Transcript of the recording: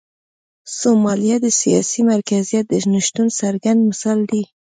سومالیا د سیاسي مرکزیت د نشتون څرګند مثال دی.